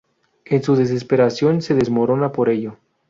En su desesperación se desmorona por ello.